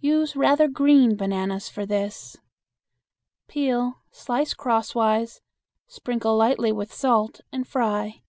Use rather green bananas for this. Peel, slice crosswise, sprinkle lightly with salt and fry.